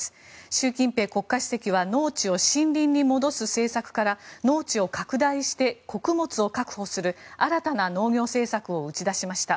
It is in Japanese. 習近平国家主席は農地を森林に戻す政策から農地を拡大して穀物を確保する新たな農業政策を打ち出しました。